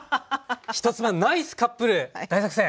１つ目「ナイスカップル大作戦！」。